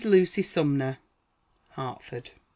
LUCY SUMNER. HARTFORD.